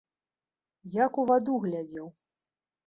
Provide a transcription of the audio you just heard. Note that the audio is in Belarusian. Як у ваду глядзеў.